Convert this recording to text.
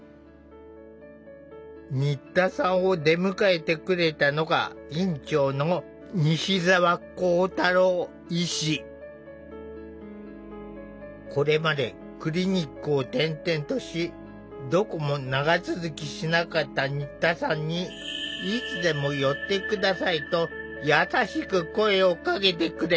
新田さんを出迎えてくれたのが院長のこれまでクリニックを転々としどこも長続きしなかった新田さんにと優しく声をかけてくれた。